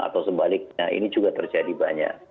atau sebaliknya ini juga terjadi banyak